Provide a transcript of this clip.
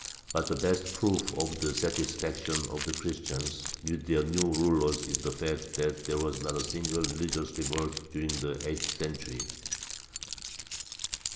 But the best proof of the satisfaction of the Christians with their new rulers is the fact that there was not a single religious revolt during the eighth century.